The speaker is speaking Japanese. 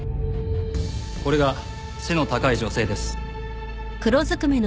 これが背の高い女性です。